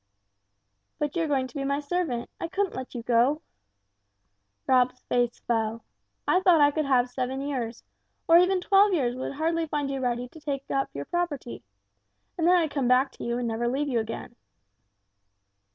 "But you're going to be my servant. I couldn't let you go." Rob's face fell. "I thought I could have seven years or even twelve years would hardly find you ready to take up your property. And then I'd come back to you and never leave you again!"